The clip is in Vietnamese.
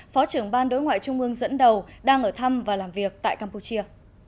phó trưởng ban đối ngoại trung ương dẫn đầu đang ở thăm và làm việc tại campuchia